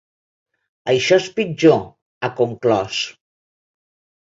Això és pitjor, ha conclòs.